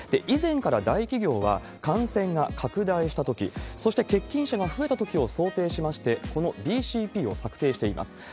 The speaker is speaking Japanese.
以前から大企業は、感染が拡大したとき、そして欠勤者が増えたときを想定しまして、このＢＣＰを策定しています。